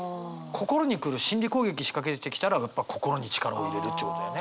心に来る心理攻撃仕掛けてきたらやっぱ心に力を入れるっちゅうことだよね。